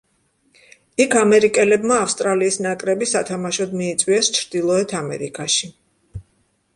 იქ ამერიკელებმა ავსტრალიის ნაკრები სათამაშოდ მიიწვიეს ჩრდილოეთ ამერიკაში.